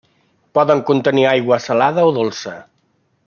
Poden contenir aigua salada o dolça.